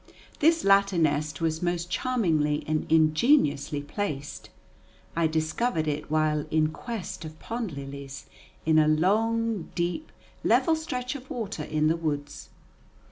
This latter nest was most charmingly and ingeniously placed. I discovered it while in quest of pond lilies, in a long, deep, level stretch of water in the woods.